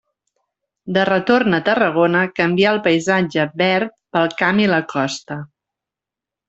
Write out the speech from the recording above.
De retorn a Tarragona canvià el paisatge verd pel camp i la costa.